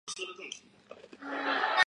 黄志贤出生在中国大陆。